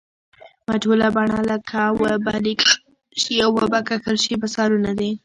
مجهوله بڼه لکه و به لیکل شي او و به کښل شي مثالونه دي.